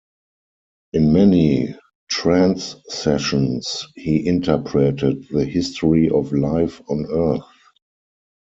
In many trance sessions, he interpreted the history of life on Earth.